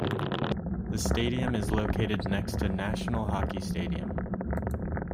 The stadium is located next to National Hockey Stadium.